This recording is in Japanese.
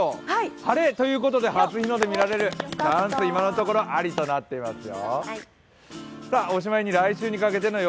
晴れということで、初日の出見られる可能性、今のところアリとなってますよ。